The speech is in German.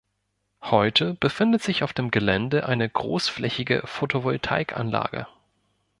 Heute befindet sich auf dem Gelände eine großflächige Photovoltaikanlage.